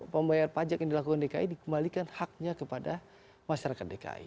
pembayar pajak yang dilakukan dki dikembalikan haknya kepada pusat